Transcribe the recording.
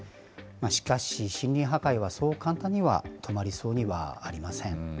しかし森林破壊はそう簡単には止まりそうにはありません。